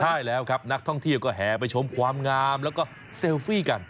ใช่แล้วครับนักท่องเที่ยวก็แห่ไปชมความงามแล้วก็เซลฟี่กัน